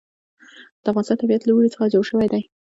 د افغانستان طبیعت له اوړي څخه جوړ شوی دی.